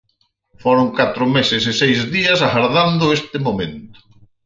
Foron catro meses e seis días agardando este momento.